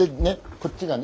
こっちがね